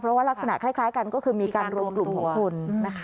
เพราะว่ารักษณะคล้ายกันก็คือมีการรวมกลุ่มของคนนะคะ